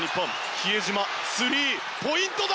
比江島、スリーポイントだ！